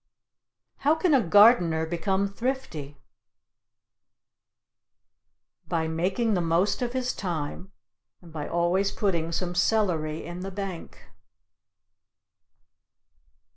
How can a gardener become thrifty? By making the most of his thyme, and by always putting some celery in the bank.